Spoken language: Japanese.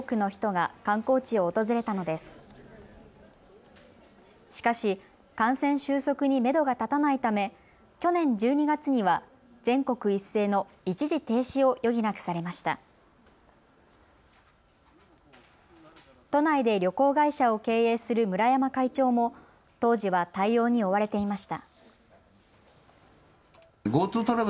都内で旅行会社を経営する村山会長も当時は対応に追われていました。